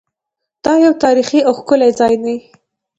دا یو تاریخي او ښکلی ځای دی.